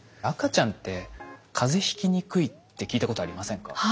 赤ちゃんって風邪ひきにくいって聞いたことありませんか？